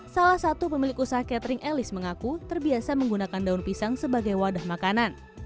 salah satu pemilik usaha catering elis mengaku terbiasa menggunakan daun pisang sebagai wadah makanan